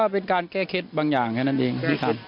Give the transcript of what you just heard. เป็นการแก้เคล็ดบางอย่างแค่นั้นเอง